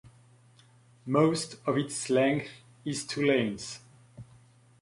Most of its length is two lanes.